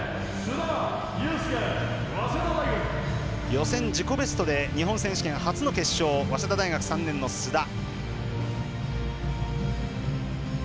予選自己ベストで日本選手権初の決勝早稲田大学３年の須田。